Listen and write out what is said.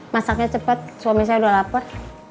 masaknya cepat suami saya udah lapar